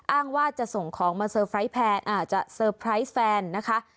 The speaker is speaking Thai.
อ้างว่าจะส่งของมาเซอร์ไพรส์แฟนนะคะ